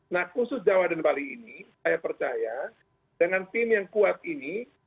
nah khusus jawa dan bali ini saya percaya dengan tim yang kuat ini